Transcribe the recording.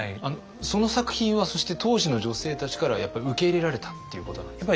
その作品はそして当時の女性たちからはやっぱり受け入れられたっていうことなんですか？